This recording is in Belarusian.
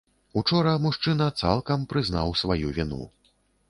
Учора мужчына цалкам прызнаў сваю віну.